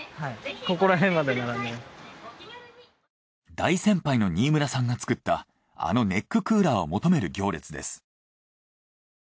大先輩の新村さんが作ったあのネッククーラーを求める行列です。